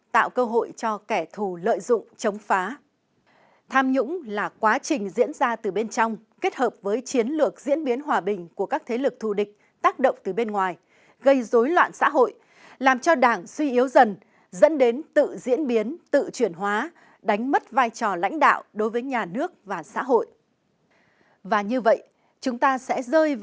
tham nhũng là quá trình diễn ra từ bên trong kết hợp với chiến lược diễn biến hòa bình của các thế lực thù địch tác động từ bên ngoài gây dối loạn xã hội làm cho đảng suy yếu dần dẫn đến tự diễn biến tự chuyển hóa đánh mất vai trò lãnh đạo đối với nhà nước và xã hội